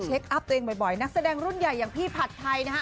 อัพตัวเองบ่อยนักแสดงรุ่นใหญ่อย่างพี่ผัดไทยนะฮะ